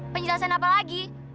penjelasan apa lagi